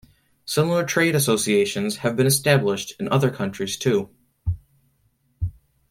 Similar trade associations have been established in other countries too.